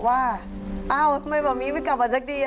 ว่าเอ้าทำไมแบบนี้ไม่กลับมาสักที